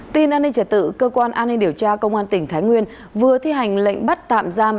tin an ninh trả tự cơ quan an ninh điều tra công an tỉnh thái nguyên vừa thi hành lệnh bắt tạm giam